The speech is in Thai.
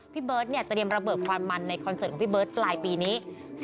พี่เบิร์ตเนี่ยเตรียมระเบิดความมันในคอนเสิร์ตของพี่เบิร์ตปลายปีนี้